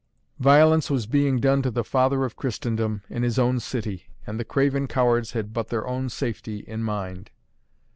Violence was being done to the Father of Christendom in his own city, and the craven cowards had but their own safety in mind.